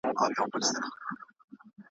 سل روپۍ پور که، یو زوی کابل کي لوی کړه `